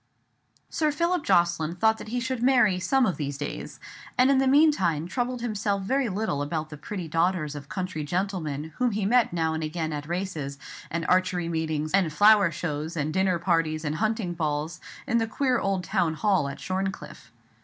Sir Philip Jocelyn thought that he should marry "some of these days," and in the meantime troubled himself very little about the pretty daughters of country gentlemen whom he met now and again at races, and archery meetings, and flower shows, and dinner parties, and hunting balls, in the queer old town hall at Shorncliffe.